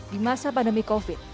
di masa pandemi covid